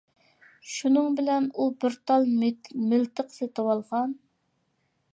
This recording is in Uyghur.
شۇنىڭ بىلەن ئۇ بىر تال مىلتىق سېتىۋالغان.